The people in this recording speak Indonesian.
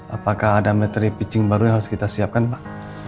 apakah ada materi pitching baru yang harus kita siapkan pak